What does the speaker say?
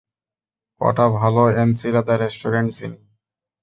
কটা ভালো enchilada restaurant চিনি।